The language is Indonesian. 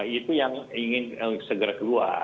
itu yang ingin segera keluar